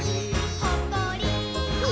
ほっこり。